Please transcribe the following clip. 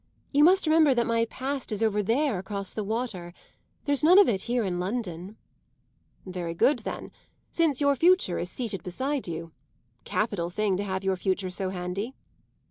You must remember that my past is over there across the water. There's none of it here in London." "Very good, then, since your future is seated beside you. Capital thing to have your future so handy."